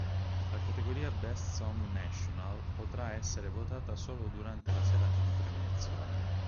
La categoria "Best Song National" potrà essere votata solo durante la serata di premiazione.